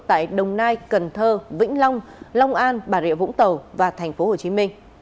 tại đồng nai cần thơ vĩnh long long an bà rịa vũng tàu và tp hcm